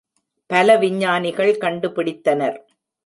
பல விஞ்ஞானிகள் கண்டு பிடித்தனர்.